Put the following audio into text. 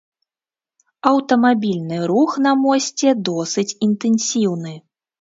Аўтамабільны рух на мосце досыць інтэнсіўны.